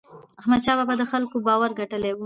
احمدشاه بابا د خلکو باور ګټلی و.